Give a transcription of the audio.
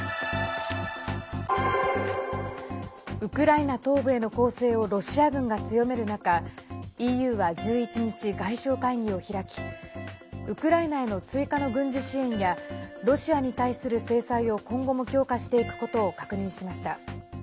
ウクライナ東部への攻勢をロシア軍が強める中ＥＵは１１日、外相会議を開きウクライナへの追加の軍事支援やロシアに対する制裁を今後も強化していくことを確認しました。